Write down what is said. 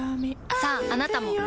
さああなたも。